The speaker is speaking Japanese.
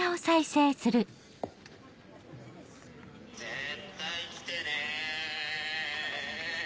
絶対来てね！